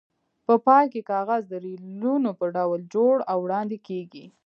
په پای کې کاغذ د ریلونو په ډول جوړ او وړاندې کېږي.